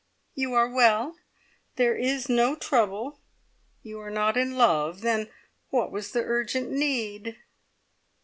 "You are well there is no trouble you are not in love. Then what was the urgent need?"